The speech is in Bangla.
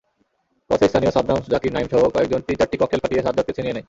পথে স্থানীয় সাদ্দাম, জাকির, নাঈমসহ কয়েকজন তিন-চারটি ককটেল ফাটিয়ে সাজ্জাদকে ছিনিয়ে নেয়।